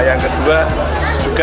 yang kedua sejujurnya